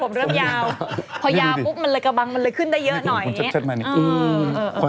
พอยาวปุ๊บมันกระบังมันเลยขึ้นได้เยอะหน่อย